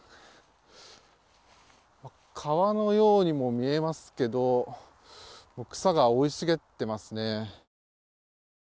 川のようにも見えますけど草が生い茂ってますね。